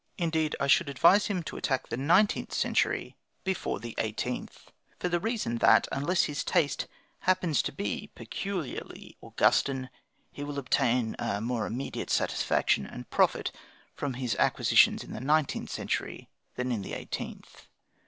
Indeed, I should advise him to attack the nineteenth century before the eighteenth, for the reason that, unless his taste happens to be peculiarly "Augustan," he will obtain a more immediate satisfaction and profit from his acquisitions in the nineteenth century than in the eighteenth.